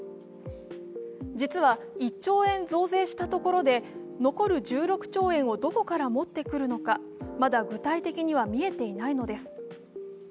実は、１兆円増税したところで残る１６兆円をどこから持ってくるのかまだ具体的には見えていないのです。